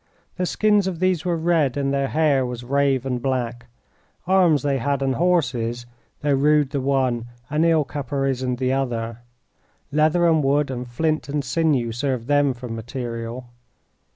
The skins of these were red, and their hair was raven black. Arms they had, and horses, though rude the one and ill caparisoned the other. Leather and wood, and flint and sinew served them for material.